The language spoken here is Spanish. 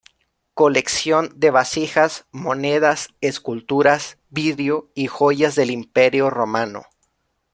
Colección de vasijas, monedas, esculturas, vidrio y joyas del Imperio romano.